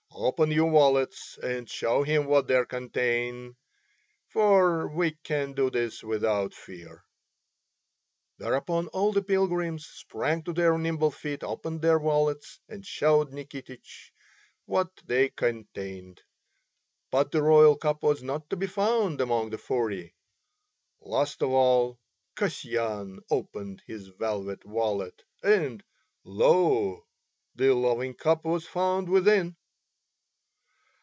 Open your wallets and show him what they contain, for we can do this without fear." Thereupon all the pilgrims sprang to their nimble feet, opened their wallets and showed Nikitich what they contained, but the royal cup was not to be found among the forty. Last of all Kasyan opened his velvet wallet and, lo! the loving cup was found within.